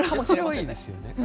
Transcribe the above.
それはいいですよね。